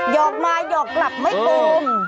หยอกมาหยอกกลับไม่เบิ่ม